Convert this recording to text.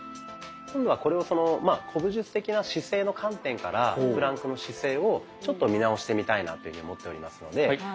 今度はこれを古武術的な姿勢の観点からプランクの姿勢をちょっと見直してみたいなと思っておりますので。